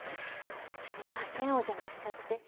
すみませんお邪魔しちゃって。